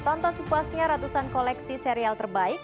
tonton sepuasnya ratusan koleksi serial terbaik